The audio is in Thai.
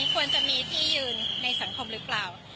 ควรจะมีที่ยืนในสังคมหรือเปล่า